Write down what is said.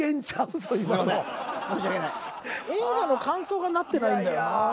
映画の感想がなってないんだよなぁ。